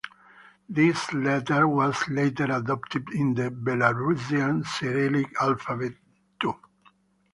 This letter was later adopted in the Belarusian Cyrillic alphabet too.